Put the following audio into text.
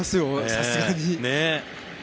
さすがに。